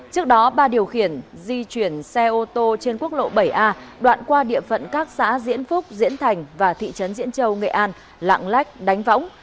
trước đó ba điều khiển di chuyển xe ô tô trên quốc lộ bảy a đoạn qua địa phận các xã diễn phúc diễn thành và thị trấn diễn châu nghệ an lạng lách đánh võng